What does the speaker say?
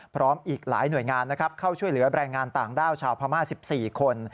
พร้อมอีกหลายหน่วยงานนะครับเข้าช่วยเหลือแรงงานต่างด้าวชาวพม่า๑๔คน